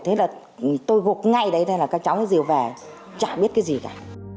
thế là tôi gục ngay đấy là các cháu rìu về chả biết cái gì cả